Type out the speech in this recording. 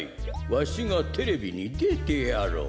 わしがテレビにでてやろう。